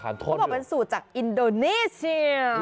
เขาบอกเป็นสูตรจากอินโดนีเซีย